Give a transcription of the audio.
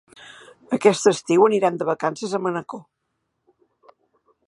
Aquest estiu anirem de vacances a Manacor.